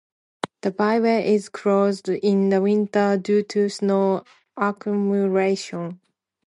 The byway is closed in the winter due to snow accumulation.